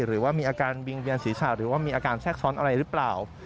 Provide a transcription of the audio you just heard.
หรือว่ามีอาการวิงเวียนศีรษะหรือว่ามีอาการแทรกซ้อนอะไรหรือเปล่า